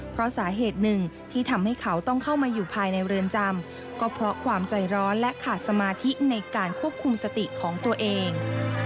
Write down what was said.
เพราะสาเหตุหนึ่งที่ทำให้เขาต้องเข้ามาอยู่ภายในเรือนจำก็เพราะความใจร้อนและขาดสมาธิในการควบคุมสติของตัวเอง